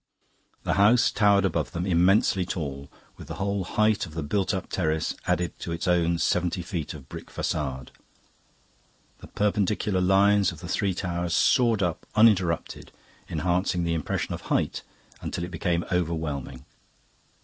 The house towered above them, immensely tall, with the whole height of the built up terrace added to its own seventy feet of brick façade. The perpendicular lines of the three towers soared up, uninterrupted, enhancing the impression of height until it became overwhelming.